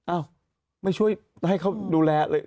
อ้าวไม่ช่วยให้เขาดูแลเลย